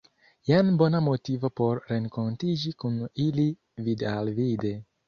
Jen bona motivo por renkontiĝi kun ili vid-al-vide.